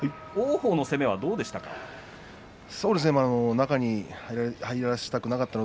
王鵬の攻めはどうでしたか。